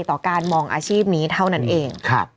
ต่อการมองอาชีพนี้เท่านั้นเอง